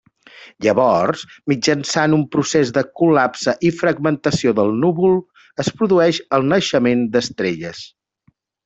Llavors, mitjançant un procés de col·lapse i fragmentació del núvol, es produeix el naixement d'estrelles.